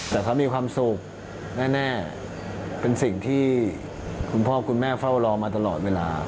แต่เขามีความสุขแน่เป็นสิ่งที่คุณพ่อคุณแม่เฝ้ารอมาตลอดเวลา